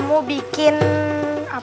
masalah yang udahasplain makanya harper'somas